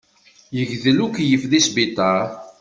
Yegdel ukeyyef deg sbiṭaṛ.